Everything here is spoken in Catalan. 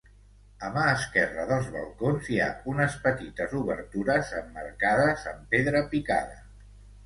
A mà esquerra dels balcons hi ha unes petites obertures emmarcades amb pedra picada.